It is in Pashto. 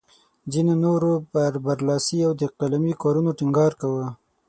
ځینو نورو پر برلاسي او قلمي کارونو ټینګار کاوه.